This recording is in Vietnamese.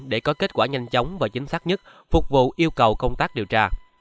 để có kết quả nhanh chóng và chính xác nhất phục vụ yêu cầu công tác điều tra